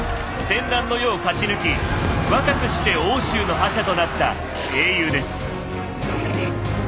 戦乱の世を勝ち抜き若くして奥州の覇者となった英雄です。